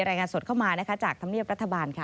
รายงานสดเข้ามานะคะจากธรรมเนียบรัฐบาลค่ะ